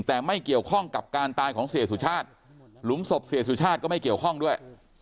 แต่ไม่เกี่ยวข้องกับการตายของเสียสุชาติหลุมศพเสียสุชาติก็ไม่เกี่ยวข้องด้วย